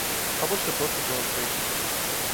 publish a book with illustrations